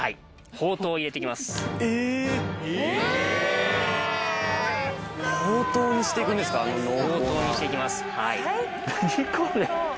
ほうとうにして行きます。